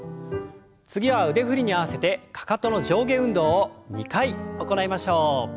次は腕振りに合わせてかかとの上下運動を２回行いましょう。